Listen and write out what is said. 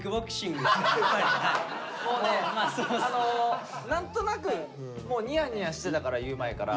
もうねあの何となくもうニヤニヤしてたから言う前から。